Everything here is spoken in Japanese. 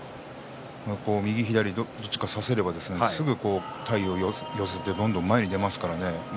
右、左のどっちか差せればすぐ体を寄せてどんどん前に出ますからね。